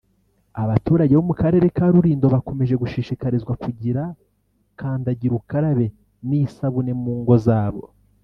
abaturage bo mu Karere ka Rulindo bakomeje gushishikarizwa kugira kandagirukarabe n’isabune mu ngo zabo